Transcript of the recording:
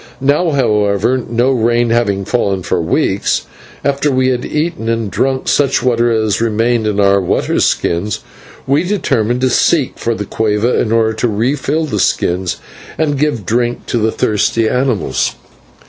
Now, however, no rain having fallen for weeks, after we had eaten, and drunk such water as remained in the water skins, we determined to seek for the /cueva/ in order to refill the skins and give drink to the thirsty mules.